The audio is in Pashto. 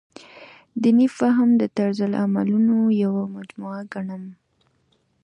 دیني فهم د طرزالعملونو یوه مجموعه ګڼم.